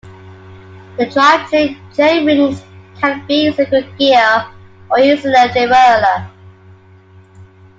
The drive chain chainrings can be single gear or use a derailleur.